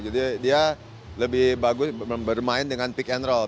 jadi dia lebih bagus bermain dengan pick and roll